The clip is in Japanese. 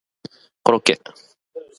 コロッケ